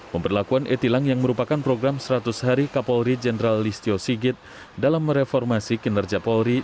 pemberlakuan e tilang yang merupakan program seratus hari kapolri jenderal listio sigit dalam mereformasi kinerja polri